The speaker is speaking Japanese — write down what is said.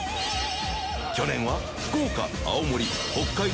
去年は福岡青森北海道